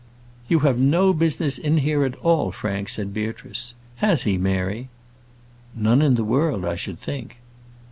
"You have no business in here at all, Frank," said Beatrice. "Has he, Mary?" "None in the world, I should think."